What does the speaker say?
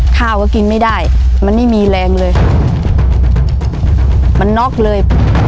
ข้าวก็กินไม่ได้มันไม่มีแรงเลยค่ะมันน็อกเลย